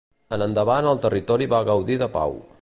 En endavant el territori va gaudir de pau.